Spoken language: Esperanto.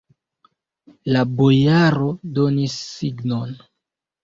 La bojaro donis signon.